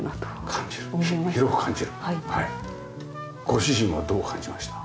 ご主人はどう感じました？